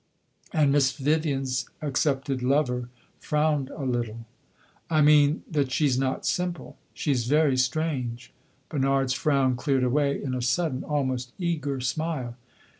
And Miss Vivian's accepted lover frowned a little. "I mean that she 's not simple. She 's very strange." Bernard's frown cleared away in a sudden, almost eager smile.